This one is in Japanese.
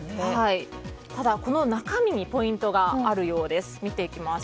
ただ、この中身にポイントがあるようです。